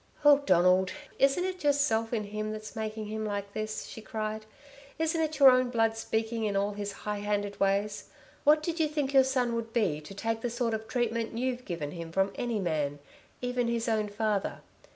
"Oh Donald, isn't it yourself in him that's making him like this," she cried. "Isn't it your own blood speaking in all his high handed ways? What did you think your son would be to take the sort of treatment you've given him from any man even his own father?